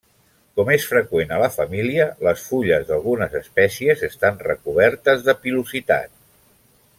Com és freqüent a la família, les fulles d'algunes espècies estan recobertes de pilositat.